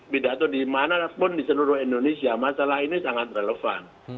pidato dimanapun di seluruh indonesia masalah ini sangat relevan